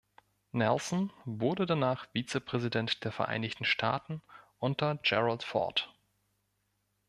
Nelson wurde danach Vizepräsident der Vereinigten Staaten unter Gerald Ford.